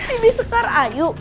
ini sekar ayu